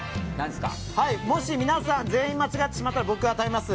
もし皆さん全員間違ってしまったら僕が食べます。